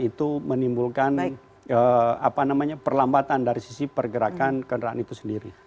itu menimbulkan perlambatan dari sisi pergerakan kendaraan itu sendiri